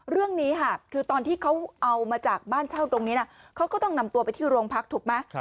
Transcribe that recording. เรื่องนี้ค่ะคือตอนที่เขาเอามาจากบ้านเช่าตรงนี้นะเขาก็ต้องนำตัวไปที่โรงพักถูกไหม